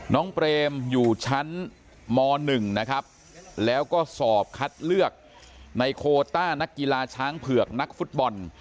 เปรมอยู่ชั้นม๑นะครับแล้วก็สอบคัดเลือกในโคต้านักกีฬาช้างเผือกนักฟุตบอล